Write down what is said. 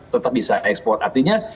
tetap bisa ekspor artinya